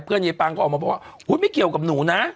เพื่อนยายปรางก็ออกมาบอกว่าอู้วไม่เกี่ยวกับหนูนะ